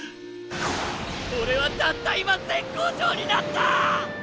オレはたった今絶好調になった！